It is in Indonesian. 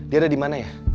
dia ada dimana ya